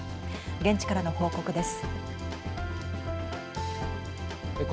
現地からの報告です。